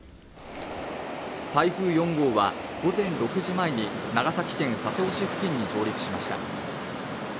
台風４号は午前６時前に長崎県佐世保市付近に上陸しました